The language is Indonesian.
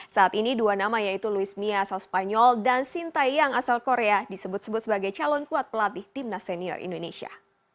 saat ini dua nama yaitu luis mia asal spanyol dan sinta yang asal korea disebut sebut sebagai calon kuat pelatih timnas senior indonesia